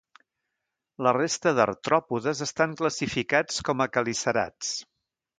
La resta d'artròpodes estan classificats com a quelicerats.